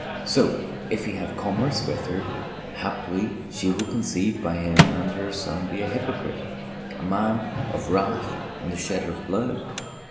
So, if he have commerce with her, haply she will conceive by him and her son be a hypocrite, a man of wrath and a shedder of blood.